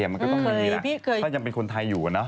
มันก็ต้องมีนะถ้ายังเป็นคนไทยอยู่